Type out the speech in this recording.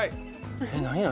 えっ？何何？